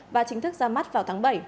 và chính thức ra mắt vào tháng bảy